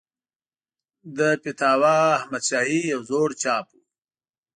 د فتاوی احمدشاهي یو زوړ چاپ و.